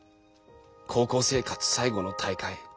高校生活最後の大会